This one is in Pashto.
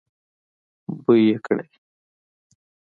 بوی يې کړی.